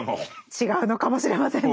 違うのかもしれませんね。